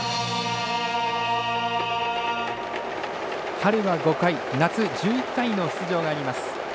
春は５回夏１１回の出場があります。